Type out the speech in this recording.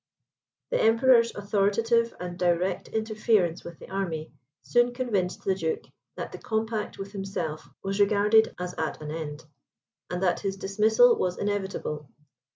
The Emperor's authoritative and direct interference with the army, soon convinced the Duke that the compact with himself was regarded as at an end, and that his dismissal was inevitable.